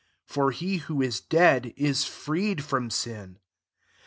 7 For he who is dead, is frcedf from sin.